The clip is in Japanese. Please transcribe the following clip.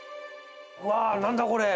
うわ何だこれ。